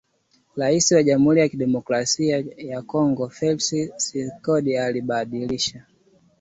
Raisi wa jamhuri ya kidemokrasia ya Kongo Felix Thisekedi alibadilisha